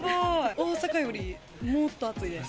大阪よりもっと暑いです。